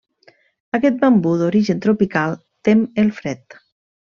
Aquest bambú d'origen tropical tem el fred.